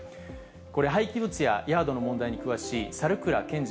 これ、廃棄物やヤードの問題に詳しい猿倉健司